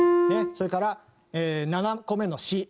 それから７個目の「シ」。